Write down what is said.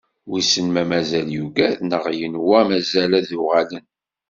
Wisen ma mazal yugad neɣ yenwa mazal ad d-uɣalen.